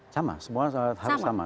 sama semua harus sama